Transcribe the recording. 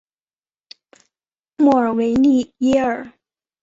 莫尔维利耶尔。